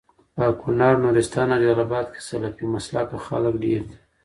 په کونړ، نورستان او جلال اباد کي سلفي مسلکه خلک ډير دي